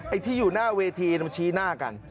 ที่อยู่หน้าเวทีมันชี้หน้ากัน